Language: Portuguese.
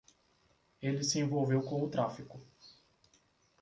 Ele se envolveu com o tráfico.